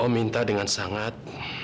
om minta dengan sangat